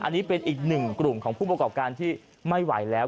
อันนี้เป็นอีกหนึ่งกลุ่มของผู้ประกอบการที่ไม่ไหวแล้ว